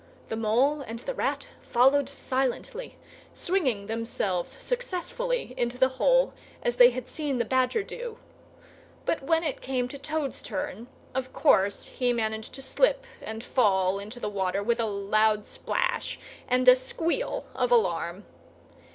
The Mole and the Rat followed silently, swinging themselves successfully into the hole as they had seen the Badger do; but when it came to Toad's turn, of course he managed to slip and fall into the water with a loud splash and a squeal of alarm.